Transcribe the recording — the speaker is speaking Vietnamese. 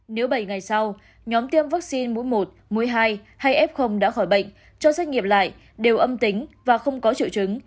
nếu bảy ngày sau nhóm tiêm vaccine mũi một mũi hai hay f đã khỏi bệnh cho xét nghiệm lại đều âm tính và không có triệu chứng